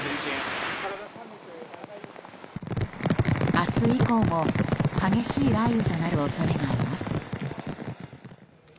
明日以降も激しい雷雨となる恐れがあります。